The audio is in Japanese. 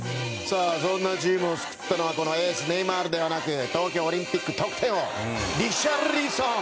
そんなチームを救ったのはエース、ネイマールではなく東京オリンピック得点王リシャルリソン！